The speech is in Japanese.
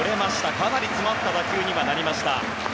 かなり詰まった打球になった。